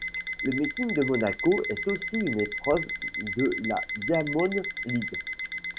Le meeting de Monaco est aussi une épreuve de la Diamond League.